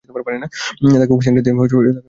তাকে অক্সিজেনটা দিয়ে, ভ্যানে তোল।